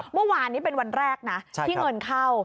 เมื่อวานนี้เป็นวันแรกนะที่เงินเข้า